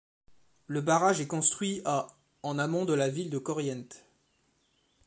Le barrage est construit à en amont de la ville de Corrientes.